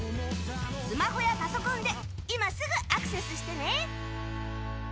スマホやパソコンで今すぐアクセスしてね。